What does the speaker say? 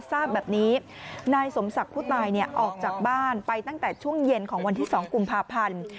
ทราบแบบนี้นายสมศักดิ์ผู้ตายออกจากบ้านไปตั้งแต่ช่วงเย็นของวันที่๒กุมภาพันธ์